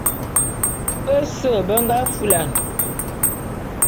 Bese be nga fulan.